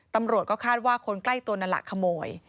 ตำรวจก็คาดว่าคนใกล้ตัวนั่นแหละขโมย